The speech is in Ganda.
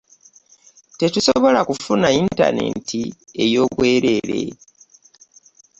Tetusobola kufuna yintaneeti ey'obwereere.